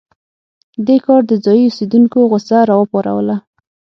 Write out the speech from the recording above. دې کار د ځايي اوسېدونکو غوسه راوپاروله.